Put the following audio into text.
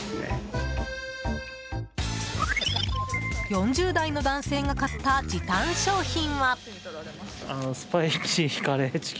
４０代の男性が買った時短商品は。